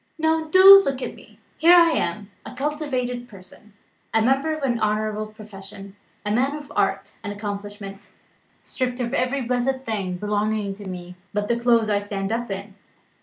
Now do look at me. Here I am, a cultivated person, a member of an honourable profession, a man of art and accomplishment stripped of every blessed thing belonging to me but the clothes I stand up in.